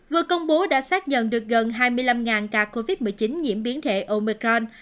vừa công bố đã xác nhận được gần hai mươi năm ca covid một mươi chín nhiễm biến thể omecron